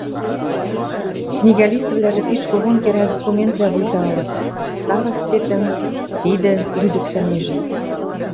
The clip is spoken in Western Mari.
Книгӓ листӹвлӓжӹ пиш когон керӓл документвлӓ вуйта ылыт, старостетӹм тидӹ лӱдӹктӹнежӹ.